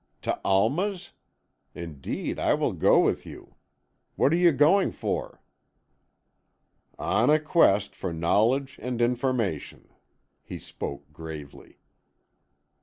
To Alma's? Indeed I will go with you. What are you going for?" "On a quest for knowledge and information." He spoke gravely.